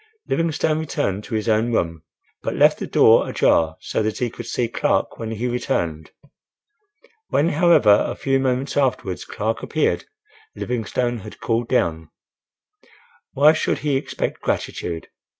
Livingstone returned to his own room; but left the door ajar so that he could see Clark when he returned. When, however, a few moments afterwards Clark appeared Livingstone had cooled down. Why should he expect gratitude?